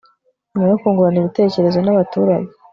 Nyuma yo kungurana ibitekerezo n abaturage